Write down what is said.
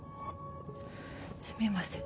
すみません